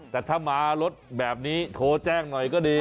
แต่ถ้ามารถแบบนี้โทรแจ้งหน่อยก็ดี